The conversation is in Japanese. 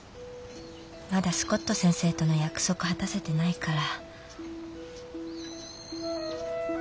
まだスコット先生との約束を果たせてないから。